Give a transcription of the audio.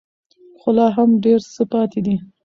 خو لا هم ډېر څه پاتې دي.